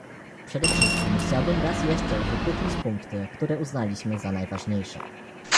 Przede wszystkich chciałbym raz jeszcze uwypuklić punkty, które uznaliśmy za najważniejsze